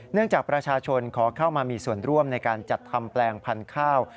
จากประชาชนขอเข้ามามีส่วนร่วมในการจัดทำแปลงพันธุ์ข้าว